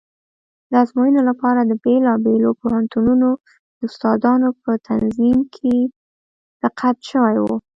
د ازموینې لپاره د بېلابېلو پوهنتونونو د استادانو په تنظیم کې دقت شوی و.